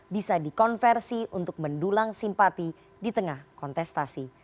bisa dikonversi untuk mendulang simpati di tengah kontestasi